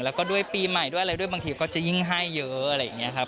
แล้วก็ด้วยปีใหม่ด้วยอะไรด้วยบางทีก็จะยิ่งให้เยอะอะไรอย่างนี้ครับ